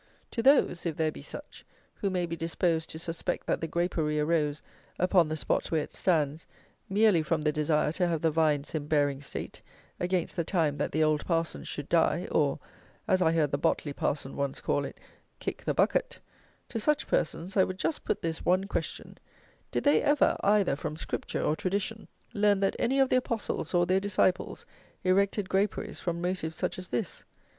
To those, if there be such, who may be disposed to suspect that the grapery arose, upon the spot where it stands, merely from the desire to have the vines in bearing state, against the time that the old parson should die, or, as I heard the Botley Parson once call it, "kick the bucket;" to such persons I would just put this one question; did they ever either from Scripture or tradition, learn that any of the Apostles or their disciples, erected graperies from motives such as this?